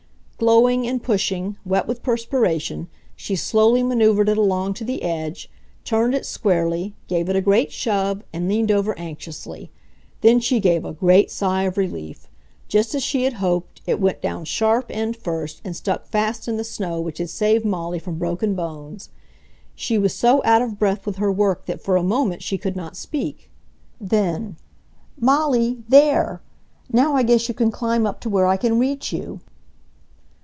Glowing, and pushing, wet with perspiration, she slowly maneuvered it along to the edge, turned it squarely, gave it a great shove, and leaned over anxiously. Then she gave a great sigh of relief! Just as she had hoped, it went down sharp end first and stuck fast in the snow which had saved Molly from broken bones. She was so out of breath with her work that for a moment she could not speak. Then, "Molly, there! Now I guess you can climb up to where I can reach you."